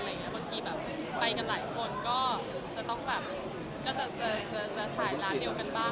บางทีแบบไปกันหลายคนก็จะต้องแบบก็จะถ่ายร้านเดียวกันบ้าง